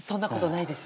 ないです？